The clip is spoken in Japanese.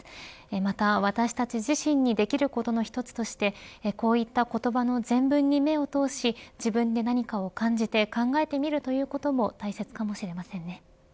また私たち自身にできることの１つとしてこういった言葉の全文に目を通し自分で何かを感じて考えてみるということも大切かもしれませんね。